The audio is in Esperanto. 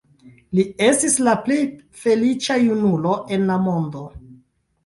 Li estis la plej feliĉa junulo en la mondo.